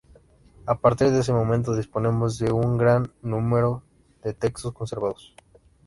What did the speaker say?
A partir de ese momento disponemos de un gran número de textos conservados.